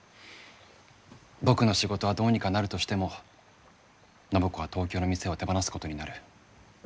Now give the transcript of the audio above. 僕の仕事はどうにかなるとしても暢子は東京の店を手放すことになる。